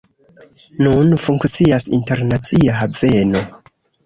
Nun funkcias internacia haveno.